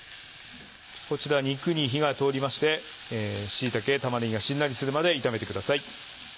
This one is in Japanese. こちら肉に火が通りまして椎茸玉ねぎがしんなりするまで炒めてください。